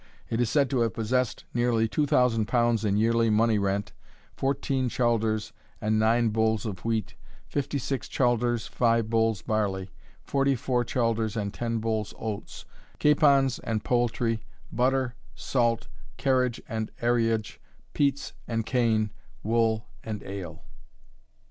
It is said to have possessed nearly two thousand pounds in yearly money rent, fourteen chalders and nine bolls of wheat, fifty six chalders five bolls barley, forty four chalders and ten bolls oats, capons and poultry, butter, salt, carriage and arriage, peats and kain, wool and ale."